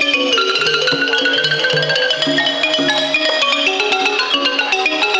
หอมรับจบ